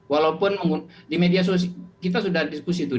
walaupun di media sosial kita sudah diskusi itu